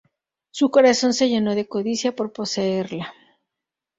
Su corazón se llenó de codicia por poseerla.